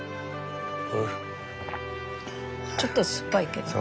ちょっと酸っぱいけど。